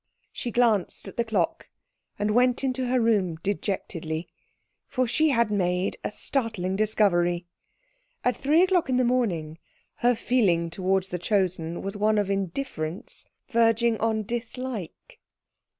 She glanced at the clock, and went into her room dejectedly; for she had made a startling discovery: at three o'clock in the morning her feeling towards the Chosen was one of indifference verging on dislike.